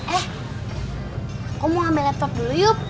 eh aku mau ambil laptop dulu yuk